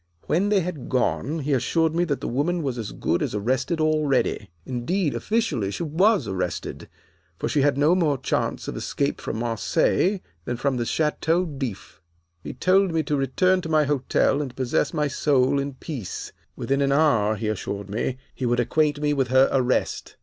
When they had gone he assured me that the woman was as good as arrested already. Indeed, officially, she was arrested; for she had no more chance of escape from Marseilles than from the Chateau D'If. "He told me to return to my hotel and possess my soul in peace. Within an hour he assured me he would acquaint me with her arrest.